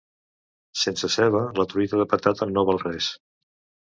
Sense ceba, la truita de patata no val res.